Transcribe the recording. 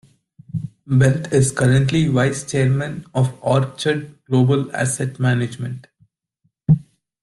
Belt is currently Vice Chairman of Orchard Global Asset Management.